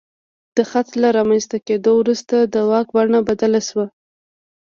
د خط له رامنځته کېدو وروسته د واک بڼه بدله شوه.